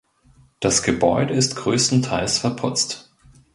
Das Gebäude ist größtenteils verputzt.